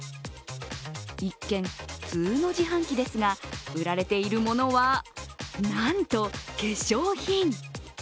一見、普通の自販機ですが、売られているものはなんと化粧品。